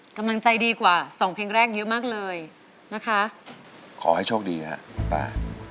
กำลังใจดีกว่าสองเพลงแรกเยอะมากเลยนะคะขอให้โชคดีฮะป้า